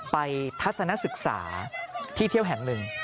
ทัศนศึกษาที่เที่ยวแห่งหนึ่ง